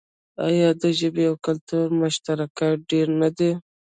آیا د ژبې او کلتور مشترکات ډیر نه دي؟